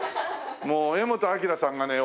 もう柄本明さんがね